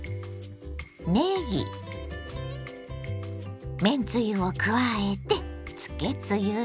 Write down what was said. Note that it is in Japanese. ねぎめんつゆを加えてつけつゆに。